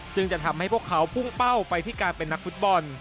ซึ่งจะทำให้พวกเขาพุ่งเป้าไปที่การเป็นนักฟุตบอล